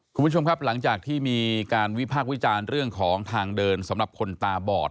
คุณผู้ชมครับหลังจากที่มีการวิพากษ์วิจารณ์เรื่องของทางเดินสำหรับคนตาบอด